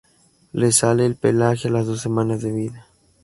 Les sale el pelaje a las dos semanas de vida.